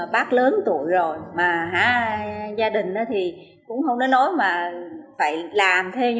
bác lớn tuổi rồi mà gia đình thì cũng không nói nói mà phải làm thế